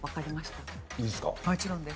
もちろんです。